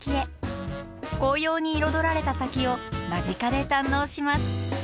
紅葉に彩られた滝を間近で堪能します。